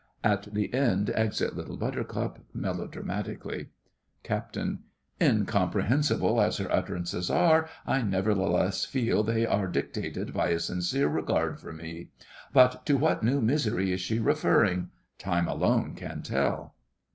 [At the end exit LITTLE BUTTERCUP melodramatically. CAPT. Incomprehensible as her utterances are, I nevertheless feel that they are dictated by a sincere regard for me. But to what new misery is she referring? Time alone can tell!